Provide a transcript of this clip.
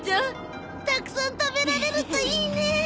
たくさん食べられるといいね。